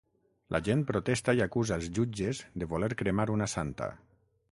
La gent protesta i acusa els jutges de voler cremar una santa.